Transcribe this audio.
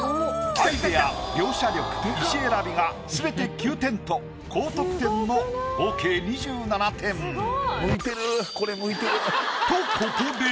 アイディア描写力石選びがすべて９点と高得点の合計２７点。とここで。